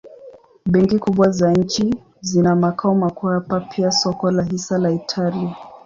Benki kubwa za nchi zina makao makuu hapa pia soko la hisa la Italia.